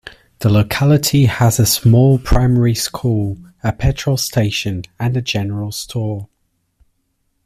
The locality has a small primary school, a petrol station and a general store.